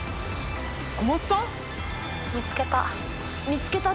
見つけた。